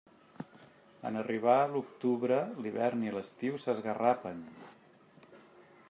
En arribar l'octubre, l'hivern i l'estiu s'esgarrapen.